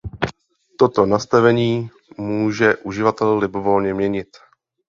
Toto nastavení může uživatel libovolně měnit.